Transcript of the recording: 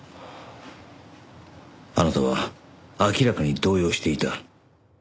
あなたは明らかに動揺していた。